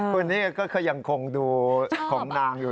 คุณนี่ก็คือยังคงดูของนางอยู่